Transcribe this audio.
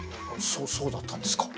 そうだったんですか。